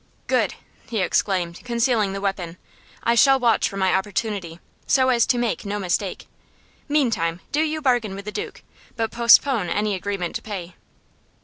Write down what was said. "Good!" he exclaimed, concealing the weapon. "I shall watch for my opportunity, so as to make no mistake. Meantime, do you bargain with the Duke, but postpone any agreement to pay."